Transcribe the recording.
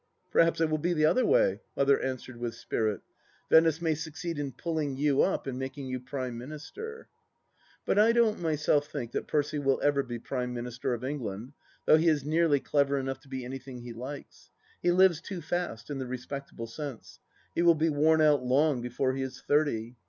" Perhaps it will be the other way ?" Mother answered with spirit. " Venice may succeed in pulling you up, and making you Prime Minister 1 " But I don't myself think that Percy will ever be Prime Minister of England, though he is nearly clever enough to be anything he likes. He lives too fast, in the respectable sense ; he will be worn out long before he is thirty.